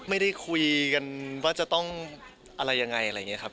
ไม่ได้คุยกันว่าจะต้องอะไรยังไงอะไรอย่างนี้ครับ